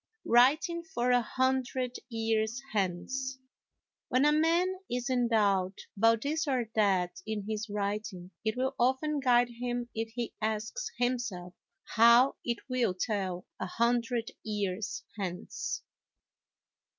Writing for a Hundred Years Hence When a man is in doubt about this or that in his writing, it will often guide him if he asks himself how it will tell a hundred years hence.